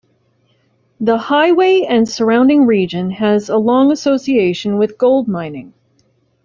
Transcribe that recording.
The highway and surrounding region has a long association with gold mining.